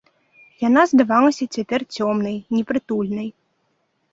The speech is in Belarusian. Яна здавалася цяпер цёмнай, непрытульнай.